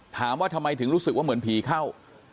ถามว่าทำไมถึงรู้สึกว่าเหมือนผีเข้า